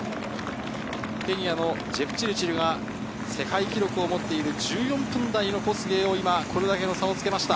ケニアのジェプチルチルが世界記録を持っている１４分台のコスゲイにこれだけの差をつけました。